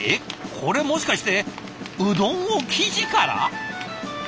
これもしかしてうどんを生地から！？